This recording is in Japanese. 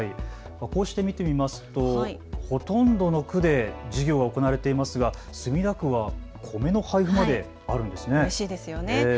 こうして見てみますとほとんどの区で事業が行われていますが墨田区はお米の配布まであるんですね。